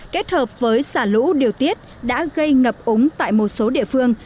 kết hợp với xả lũ điều tiết đã gây ngập úng tại một số địa phương